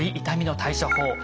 痛みの対処法